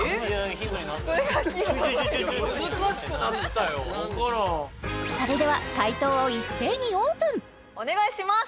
・ヒントになってないそれでは解答を一斉にオープンお願いします！